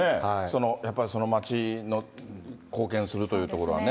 やっぱりその町の貢献するというところはね。